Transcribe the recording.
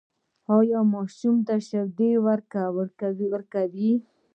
ایا ماشوم ته شیدې ورکوئ؟